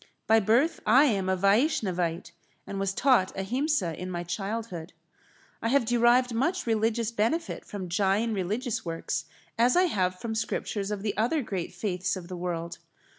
By birth I am a Vaishnavite, and was taught Ahimsa in my childhood. I have derived much religious benefit from Jain religious works as I have from scriptures of the other great faiths of the world.